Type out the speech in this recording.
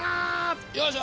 よいしょ！